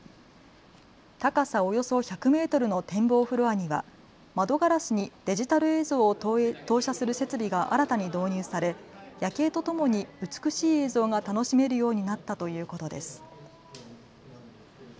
高さおよそ１００メートルの展望フロアには窓ガラスにデジタル映像を投写する設備が新たに導入され夜景とともに美しい映像が楽しめるようになったということです。